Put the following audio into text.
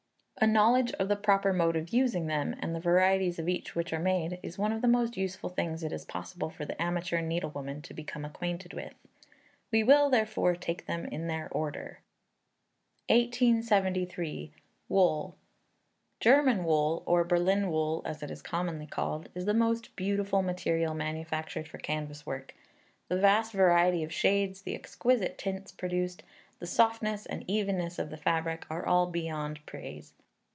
A knowledge of the proper mode of using them, and the varieties of each which are made, is one of the most useful things it is possible for the amateur needle woman to become acquainted with. We will, therefore, take them in their order. 1873. Wool. German wool (or Berlin wool, as it is commonly called) is the most beautiful material manufactured for canvas work. The vast variety of shades, the exquisite tints produced, the softness and evenness of the fabric, are beyond all praise.